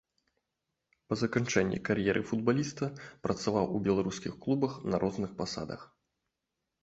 Па заканчэнні кар'еры футбаліста працаваў у беларускіх клубах на розных пасадах.